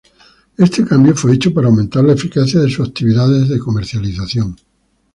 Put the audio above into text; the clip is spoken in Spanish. Este cambio fue hecho para aumentar la eficacia de sus actividades de comercialización.